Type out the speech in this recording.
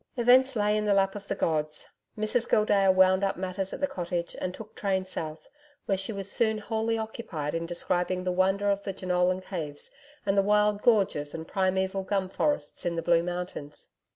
Events lay in the lap of the gods. Mrs Gildea wound up matters at the Cottage and took train south, where she was soon wholly occupied in describing the wonder of the Jenolan Caves and the wild gorges and primaeval gum forests in the Blue Mountains.